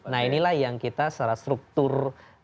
nah inilah yang kita secara struktur